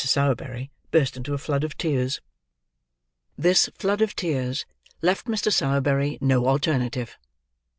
Sowerberry burst into a flood of tears. This flood of tears left Mr. Sowerberry no alternative.